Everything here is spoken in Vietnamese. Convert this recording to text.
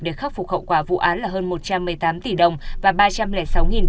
để khắc phục hậu quả vụ án là hơn một trăm một mươi tám tỷ đồng và ba trăm linh sáu đồng